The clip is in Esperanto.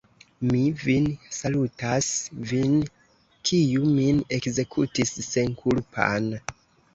Mi vin salutas, vin, kiu min ekzekutis senkulpan!